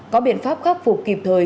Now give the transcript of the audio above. có biện pháp khắc phục kịp thời